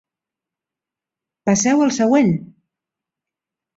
Passeu al següent!